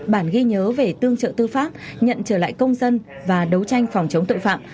bản ghi nhớ về tương trợ tư pháp nhận trở lại công dân và đấu tranh phòng chống tội phạm